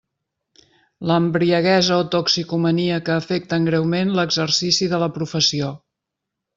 L'embriaguesa o toxicomania que afecten greument l'exercici de la professió.